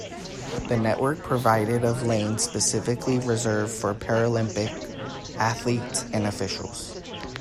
The network provided of lanes specifically reserved for Paralympic athletes and officials.